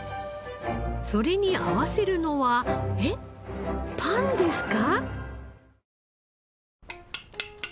それに合わせるのはえっパンですか！？